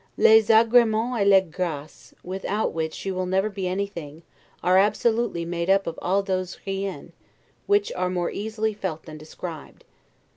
'Les agremens et les graces', without which you will never be anything, are absolutely made up of all those 'riens', which are more easily felt than described.